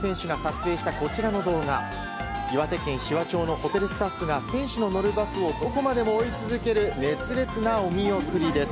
ホテルスタッフが選手の乗るバスをどこまでも追いかける熱烈なお見送りです。